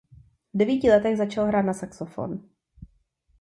V devíti letech začal hrát na saxofon.